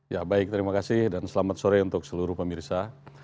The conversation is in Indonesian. ya baik terima kasih dan selamat sore untuk seluruh pemirsa